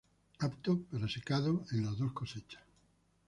Apto para secado en las dos cosechas.